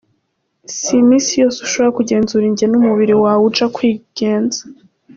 "Si iminsi yose ushobora kugenzura ingene umubiri wawe uja kwigenza.